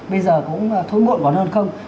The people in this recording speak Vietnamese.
bây giờ cũng thôi muộn còn hơn không